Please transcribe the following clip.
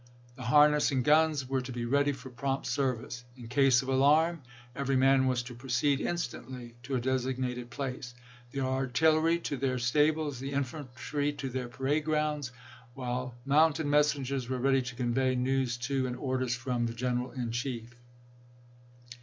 The har ness and guns were to be ready for prompt service. In case of alarm, every man was to proceed in stantly to a designated place : the artillery to their stables; the infantry to their parade grounds; while mounted messengers were ready to convey news to, and orders from, the Greneral in Chief.